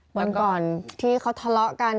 วันก่อนที่เขาทะเลาะกัน